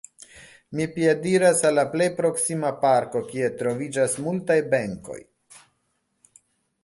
Mi piediras al la plej proksima parko, kie troviĝas multaj benkoj.